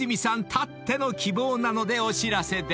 たっての希望なのでお知らせです］